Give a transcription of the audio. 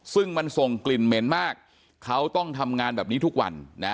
ซึ่งมันส่งกลิ่นเหม็นมากเขาต้องทำงานแบบนี้ทุกวันนะ